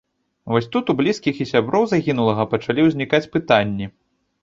Вось тут у блізкіх і сяброў загінулага пачалі ўзнікаць пытанні.